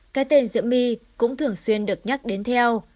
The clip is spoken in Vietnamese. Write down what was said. cái tên diễm my cũng thường xuyên được nhắc đến theo